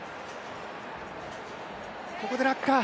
ここで落下。